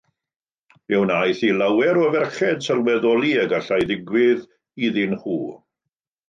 Fe wnaeth i lawer o ferched sylweddoli y gallai ddigwydd iddyn nhw.